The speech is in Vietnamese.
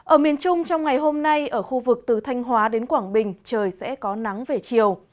ở miền trung trong ngày hôm nay ở khu vực từ thanh hóa đến quảng bình trời sẽ có nắng về chiều